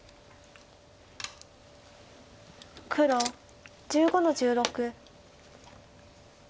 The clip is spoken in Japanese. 黒１５の十六。